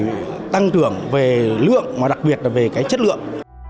mà đặc biệt là tăng trưởng về lượng và đặc biệt là về cái chất lượng